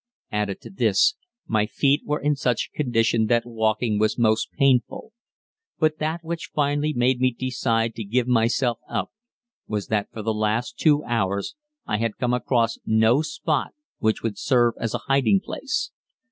Added to this, my feet were in such a condition that walking was most painful. But that which finally made me decide to give myself up was that for the last two hours I had come across no spot which would serve as a hiding place.